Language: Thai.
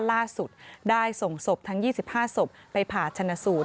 ล่าสุดได้ส่งศพทั้ง๒๕ศพไปผ่าชนะสูตร